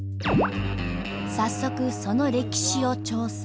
早速その歴史を調査。